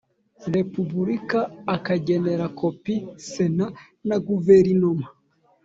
repubulika akagenera kopi sena na guverinoma